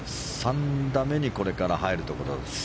３打目にこれから入るところです。